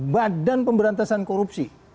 badan pemberantasan korupsi